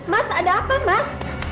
mas ada apa mas